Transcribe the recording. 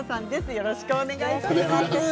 よろしくお願いします。